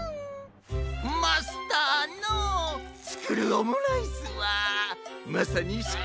マスターのつくるオムライスはまさにし